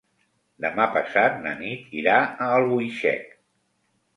Demà passat na Nit irà a Albuixec.